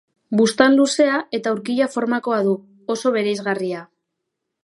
Buztan luzea eta urkila-formakoa du, oso bereizgarria.